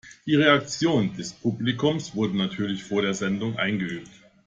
Die Reaktion des Publikums wurde natürlich vor der Sendung eingeübt.